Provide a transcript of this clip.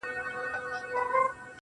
ټول عمر تكه توره شپه وي رڼا كډه كړې~